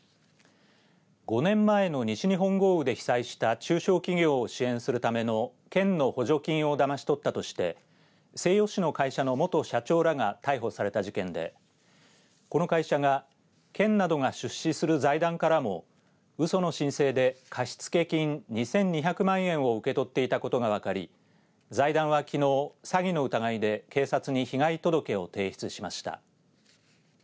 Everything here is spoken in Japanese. ５年前の西日本豪雨で被災した中小企業を支援するための県の補助金をだまし取ったとして西予市の会社の元社長らが逮捕された事件でこの会社が県などが出資する財団からもうその申請で貸付金２２００万円を受け取っていたことが分かり財団はきのう詐欺の疑いで警察に被害届を提出しました。